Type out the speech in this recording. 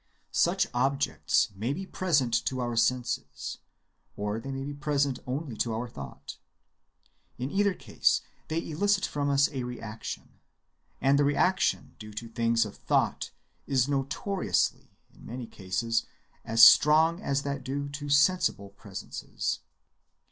Such objects may be present to our senses, or they may be present only to our thought. In either case they elicit from us a reaction; and the reaction due to things of thought is notoriously in many cases as strong as that due to sensible presences.